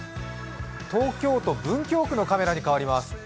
東京都文京区のカメラに変わります。